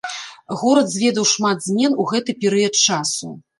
Горад зведаў шмат змен у гэты перыяд часу.